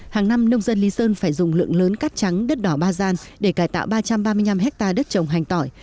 hàng năm nông dân lý sơn phải dùng lượng lớn cát trắng đất đỏ ba gian để cải tạo ba trăm ba mươi năm hectare đất trồng hành tỏi